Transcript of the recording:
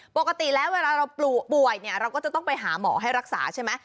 ปกติแล้วเวลาเราป่วยเนี่ยเราก็จะต้องไปหาหมอให้รักษาใช่ไหม